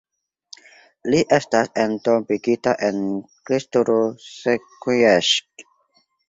Li estas entombigita en Cristuru Secuiesc.